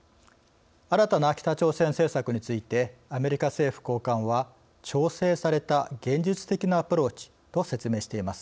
新たな北朝鮮政策についてアメリカ政府高官は調整された現実的なアプローチと説明しています。